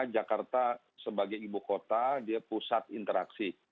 jakarta sebagai ibu kota dia pusat interaksi